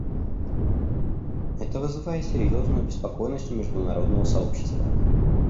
Это вызывает серьезную обеспокоенность у международного сообщества.